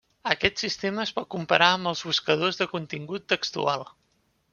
Aquest sistema es pot comparar amb els buscadors de contingut textual.